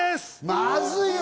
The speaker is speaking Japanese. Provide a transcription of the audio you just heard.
まずいよ。